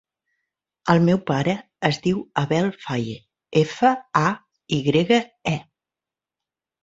El meu pare es diu Abel Faye: efa, a, i grega, e.